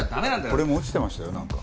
これも落ちてましたよなんか。